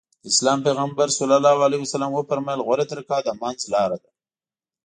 د اسلام پيغمبر ص وفرمايل غوره طريقه د منځ لاره ده.